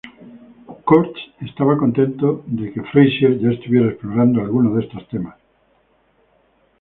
Kurtz estaba contento que Frazier ya estuviera explorando algunos de estos temas.